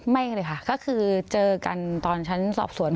ไม่เลยค่ะก็คือเจอกันตอนชั้นสอบสวน